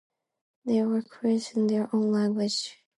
They were creating their own language.